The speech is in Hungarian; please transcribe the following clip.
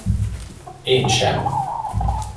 Én sem!